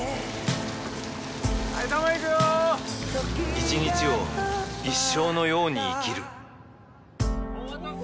一日を一生のように生きるお待たせ！